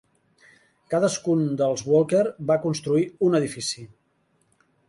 Cadascun dels Walker va construir un edifici.